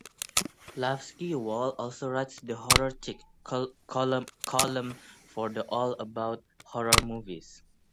Lafsky Wall also writes the "Horror Chick" column for The Awl about horror movies.